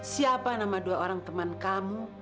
siapa nama dua orang teman kamu